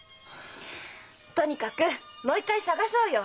とにかくもう一回探そうよ。